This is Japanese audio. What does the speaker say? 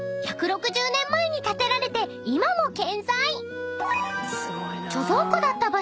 ［１６０年前に建てられて今も健在］